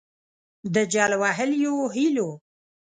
د جل وهلیو هِیلو